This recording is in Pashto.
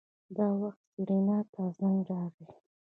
دا وخت سېرېنا ته زنګ راغی.